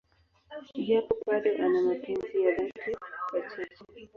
Japo bado ana mapenzi ya dhati kwa Cheche.